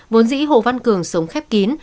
vốn dĩ hồ văn cường sống khép kín